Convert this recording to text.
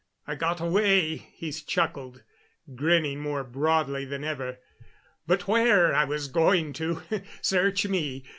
"I got away," he chuckled, grinning more broadly than ever. "But where I was going to, search me.